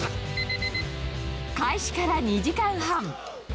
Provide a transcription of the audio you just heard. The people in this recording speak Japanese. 開始から２時間半。